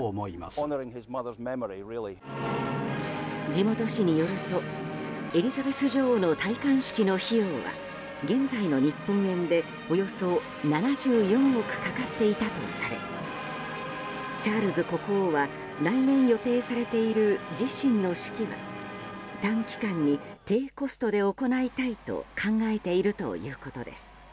地元紙によるとエリザベス女王の戴冠式の費用は現在の日本円でおよそ７４億かかっていたとされチャールズ国王は来年予定されている自身の式は短期間に低コストで行いたいと考えているということです。